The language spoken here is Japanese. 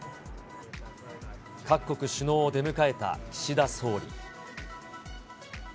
各国首脳を出迎えた岸田総理。